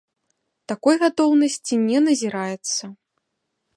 Такой гатоўнасці не назіраецца.